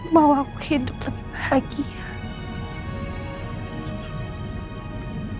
mau aku hidup lebih bahagia